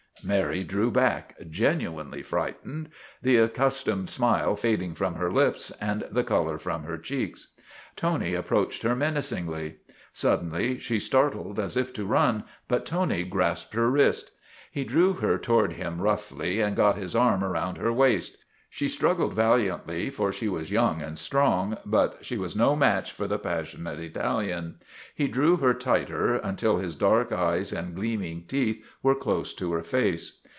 Mary drew back, genuinely frightened, the accus tomed smile fading from her lips and the color from her cheeks. Tony approached her menacingly. Suddenly she started as if to run, but Tony grasped her wrist. He drew her toward him roughly and got his arm about her waist. She struggled vali antly, for she was young and strong, but she was no 144 STRIKE AT TIVERTON MANOR match for the passionate Italian. He drew her tighter until his dark eyes and gleaming teeth were close to her face.